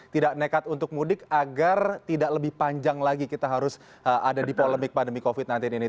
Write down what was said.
tidak nekat untuk mudik agar tidak lebih panjang lagi kita harus ada di polemik pandemi covid sembilan belas ini